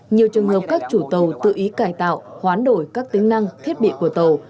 nhiều trường hợp các chủ tàu tự ý cải tạo hoán đổi các tính năng thiết bị của tàu